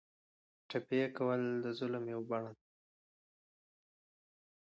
ټپي کول د ظلم یوه بڼه ده.